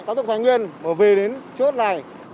cao tốc thái nguyên mà về đến chỗ này